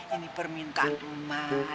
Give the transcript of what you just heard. ini permintaan rumah